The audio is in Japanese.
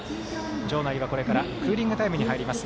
場内はこれからクーリングタイムに入ります。